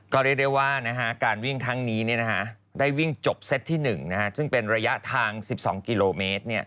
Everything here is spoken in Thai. ก็เรียกได้ว่าการวิ่งครั้งนี้ได้วิ่งจบเซตที่๑ซึ่งเป็นระยะทาง๑๒กิโลเมตร